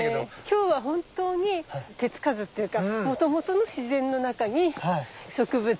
今日は本当に手付かずっていうかもともとの自然の中に植物